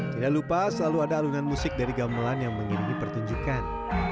tidak lupa selalu ada alunan musik dari gamelan yang mengiringi pertunjukan